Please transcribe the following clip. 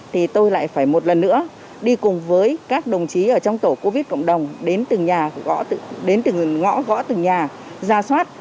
thì tôi lại phải một lần nữa đi cùng với các đồng chí ở trong tổ covid cộng đồng đến từng ngõ gõ từng nhà ra soát